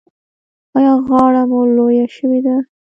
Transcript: ایا غاړه مو لویه شوې ده؟